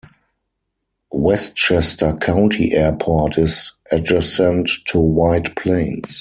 Westchester County Airport is adjacent to White Plains.